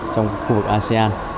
trong khu vực asean